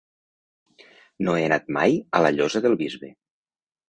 No he anat mai a la Llosa del Bisbe.